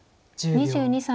２２歳。